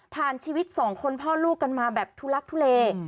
ชีวิตสองคนพ่อลูกกันมาแบบทุลักทุเล